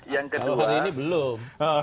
yang kedua kalau hari ini belum